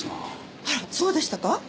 あらそうでしたか？